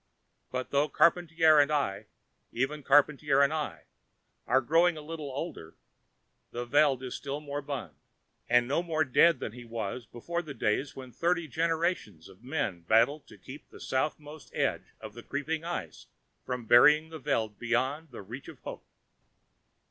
But though Charpantier and I even Charpantier and I are growing a little older, the Veld is only moribund, and no more dead than he was before the days when thirty generations of men battled to keep the southernmost edge of the creeping ice from burying the Veld beyond the reach of hope.